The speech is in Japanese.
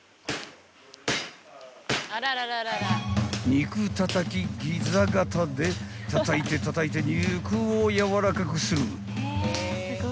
［肉たたきギザ型でたたいてたたいて肉をやわらかくする］